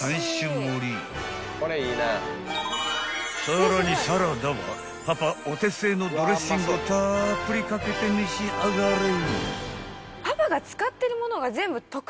［さらにサラダはパパお手製のドレッシングをたっぷり掛けて召し上がれ］